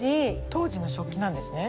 当時の食器なんですね？